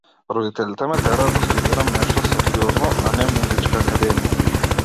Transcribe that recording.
Родителите ме тераа да студирам нешто сериозно, а не музичка академија.